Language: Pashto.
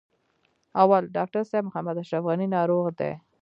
اول: ډاکټر صاحب محمد اشرف غني ناروغ دی.